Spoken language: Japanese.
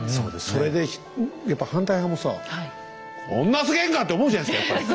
それでやっぱ反対派もさ「こんなすげえんか⁉」って思うじゃないですかやっぱり。